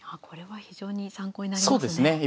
これは非常に参考になりますね。